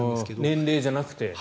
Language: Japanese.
年齢じゃなくて。